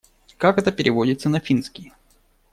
Как это переводится на финский?